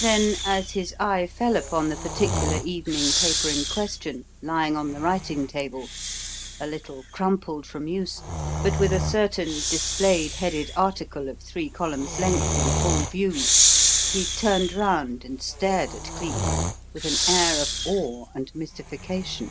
Then, as his eye fell upon the particular evening paper in question lying on the writing table, a little crumpled from use, but with a certain "displayed headed" article of three columns length in full view, he turned round and stared at Cleek with an air of awe and mystification.